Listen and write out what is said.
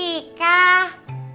jess kita main yuk